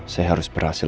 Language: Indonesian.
saya harus berhasil